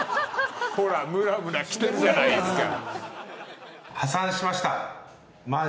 ほら、むらむらきてるじゃないですか。